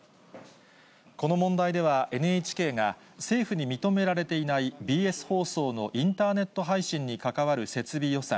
この問題では、ＮＨＫが、政府に認められていないＢＳ放送のインターネット配信に関わる設備予算